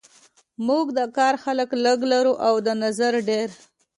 موږ د کار خلک لږ لرو او د نظر ډیر